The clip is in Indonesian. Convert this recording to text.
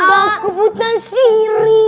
aku buta sirik